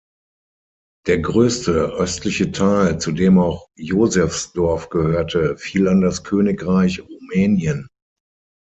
Der größte, östliche Teil, zu dem auch Josefsdorf gehörte, fiel an das Königreich Rumänien.